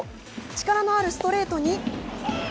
力のあるストレートに。